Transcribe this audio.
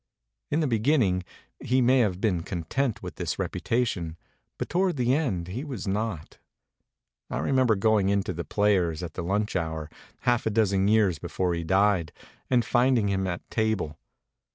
In the beginning he may have been content with this reputation; but toward the end he was not. I remember going into The Players at the lunch hour, half a dozen years before he died, and finding him at table.